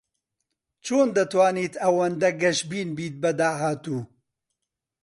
چۆن دەتوانیت ئەوەندە گەشبین بیت بە داهاتوو؟